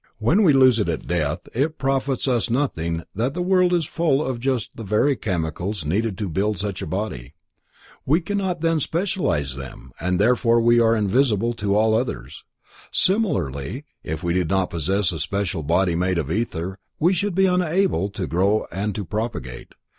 When we lose it at death, it profits us nothing that the world is full of just the very chemicals needed to build such a body. We cannot then specialize them, and therefore we are invisible to all others. Similarly, if we did not possess a special body made of ether, we should be unable to grow and to propagate.